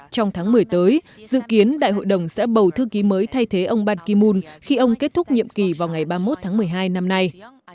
trong tháng một mươi tới dự kiến đại hội đồng sẽ bầu thư ký mới thay thế ông batimun khi ông kết thúc nhiệm kỳ vào ngày ba mươi một tháng một mươi hai năm nay